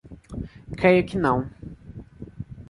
Creio que não.